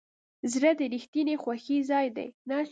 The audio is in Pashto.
زړه د رښتینې خوښۍ ځای دی.